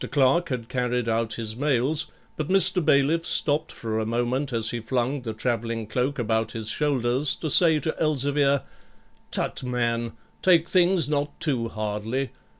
Clerk had carried out his mails, but Mr. Bailiff stopped for a moment as he flung the travelling cloak about his shoulders to say to Elzevir, 'Tut, man, take things not too hardly.